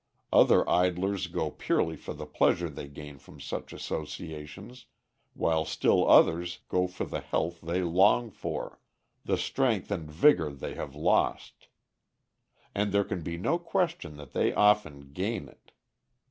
Other idlers go purely for the pleasure they gain from such associations, while still others go for the health they long for, the strength and vigor they have lost. And there can be no question that they often gain it.